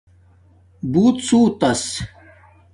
بُوت سُوتَس